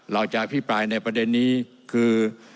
เราจะอภิปรายในประเด็นนี้คือ